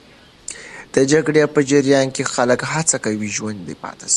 د جګړې په جریان کې خلک هڅه کوي ژوندي پاتې سي.